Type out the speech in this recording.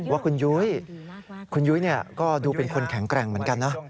ว่าคุณยุ้ยคุณยุ้ยก็ดูเป็นคนแข็งแกร่งเหมือนกันนะ